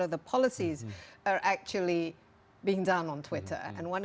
untuk integrasi lebih lanjut di eropa